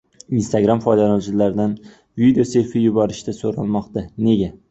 Instagram foydalanuvchilardan video selfi yuborishni so‘ramoqda. Nega?